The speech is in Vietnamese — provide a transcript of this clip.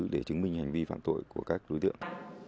để chứng minh hành vi phạm tội của các đối tượng